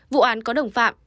vụ án có đồng phạm